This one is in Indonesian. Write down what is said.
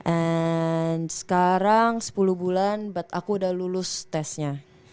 and sekarang sepuluh bulan but aku udah lulus testnya